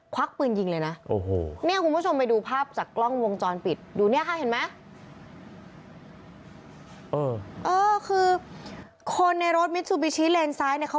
ควักปืนยิงเลยนะ